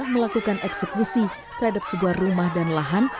melakukan eksekusi terhadap sebuah rumah dan lahan